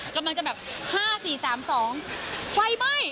กำลังจะแบบ๕๔๓๒ไฟไหม้